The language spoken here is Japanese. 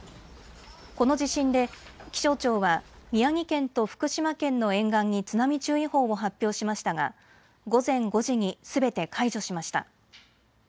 この地震で気象庁は宮城県と福島県の沿岸に津波注意報を発表しましたが午前５時にすべて解除しました。